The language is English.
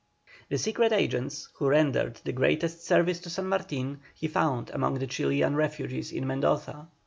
The secret agents, who rendered the greatest service to San Martin, he found among the Chilian refugees in Mendoza.